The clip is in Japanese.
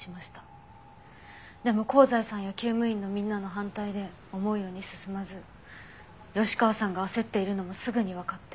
でも香西さんや厩務員のみんなの反対で思うように進まず吉川さんが焦っているのもすぐにわかって。